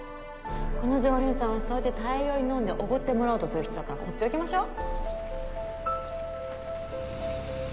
この常連さんはそうやって大量に飲んで奢ってもらおうとする人だから放っておきましょ。